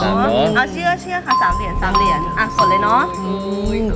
อ๋อ๓เหรียญหรอเอาเชื่อค่ะ๓เหรียญ๓เหรียญอ่ะกดเลยเนาะ